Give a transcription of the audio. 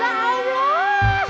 mas ya allah